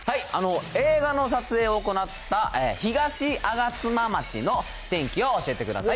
映画の撮影を行った東吾妻町の天気を教えてください。